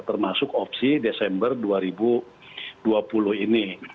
termasuk opsi desember dua ribu dua puluh ini